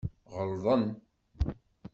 Ɣelḍen.